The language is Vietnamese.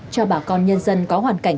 cho bà con nhân dân có hoàn cảnh